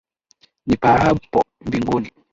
Nipaapo mbinguni,